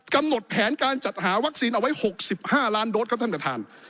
กำหนดแผนการจัดหาวัคซีนเอาไว้๖๕ล้านโดสครับท่านประธาน